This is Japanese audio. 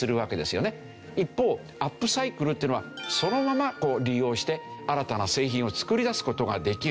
一方アップサイクルっていうのはそのまま利用して新たな製品を作り出す事ができる。